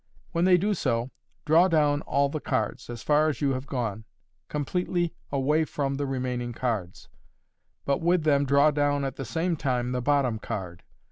When they do so, draw down all the cards, as far as you have gone, com pletely away from the remaining cards ; but with them draw down at the same time the bottom card.